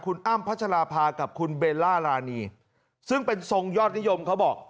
คุณอ้ำพัชราภากับคุณเบลล่ารานีซึ่งเป็นทรงยอดนิยมเขาบอก